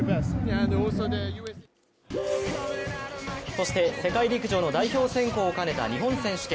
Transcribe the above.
そして世界陸上の代表選考を兼ねた日本選手権。